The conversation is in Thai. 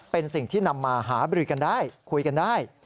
เป็นสิ่งที่นำมาหาบริกันได้คุยกันได้